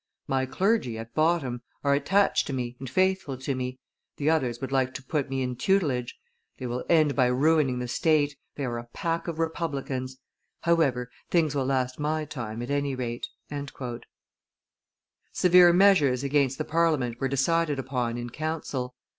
My clergy, at bottom, are attached to me and faithful to me; the others would like to put me in tutelage. ... They will end by ruining the state; they are a pack of republicans. ... However, things will last my time, at any rate." Severe measures against the Parliament were decided upon in council.